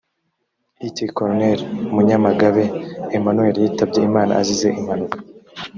lt colonelmunyamagabe emmanuel yitabye imana azize impanuka